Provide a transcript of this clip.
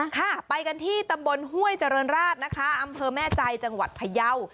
ค่ะไปกันที่ตำบลห้วยเจริญราชนะคะอำเภอแม่ใจจังหวัดพยาว